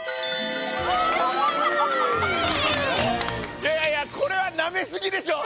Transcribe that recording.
いやいやこれはナメすぎでしょう！